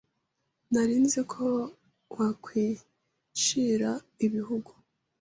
Nari nzi ko wakwicriara ibihugu